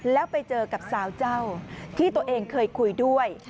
แล้วไปเจอกับสาวเจ้าที่ตัวเองเคยคุยด้วย